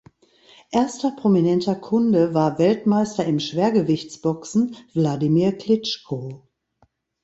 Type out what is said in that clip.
Erster prominenter Kunde war Weltmeister im Schwergewichts-Boxen Wladimir Klitschko.